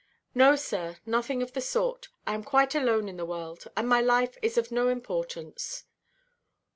"No, sir, nothing of the sort. I am quite alone in the world; and my life is of no importance."